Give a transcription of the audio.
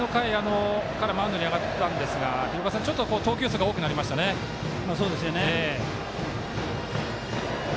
前の回からマウンドに上がったんですがちょっと投球数が多くなりました。